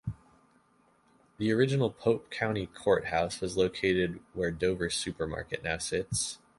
The original Pope County Courthouse was located where Dover Supermarket now sits.